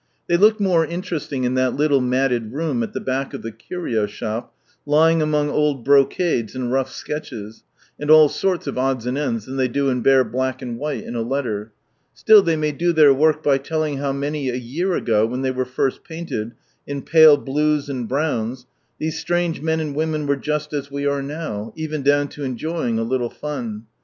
They looked more intercsiing in that little nuned room at the back of the cutio shop, lying among old brocades and rough sketches, and all torU of odds and ends, tlun they do in bare black and white in a letter, SdU they may do thcjf wofk by telling how many a year ago, when they were first painted, in pale blues and browns, these strange men and women were just as we are now, even down to enjoying a little fun.